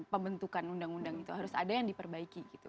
pembentukan undang undang itu harus ada yang diperbaiki gitu